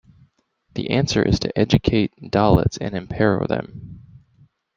The answer is to educate Dalits and empower them.